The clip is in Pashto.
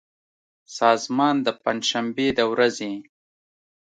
سازمان د پنجشنبې د ورځې